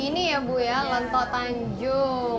ini ya ibu ya lentok tanjung